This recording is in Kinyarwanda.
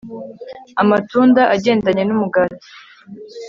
Amatunda agendanye numugati